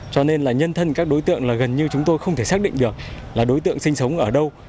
cho nên là nhân thân các đối tượng là gần như chúng tôi không thể xác định được là đối tượng sinh sống ở đâu